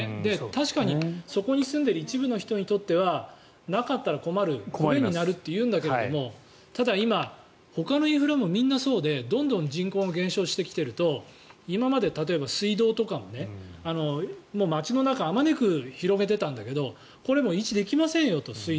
確かに、そこに住んでいる一部の人にとってはなかったら困る不便になるというんだけどただ、今ほかのインフラみんなそうでどんどん人口も減少してきていると今まで例えば、水道とかも街の中にあまねく広げてたんだけどこれも水道も維持できませんよと。